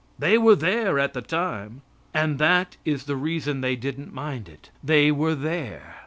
They were there at the time. And that is the reason they didn't mind it they were there.